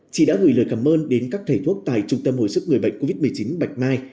chị đã gửi lời cảm ơn đến các thầy thuốc tại trung tâm hồi sức người bệnh covid một mươi chín bạch mai